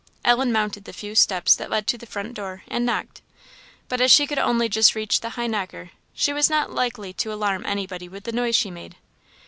Ellen mounted the few steps that led to the front door, and knocked; but as she could only just reach the high knocker, she was not likely to alarm anybody with the noise she made.